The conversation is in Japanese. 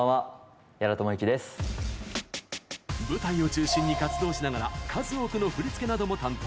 舞台を中心に活動しながら数多くの振り付けなども担当。